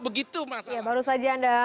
begitu mas ya baru saja anda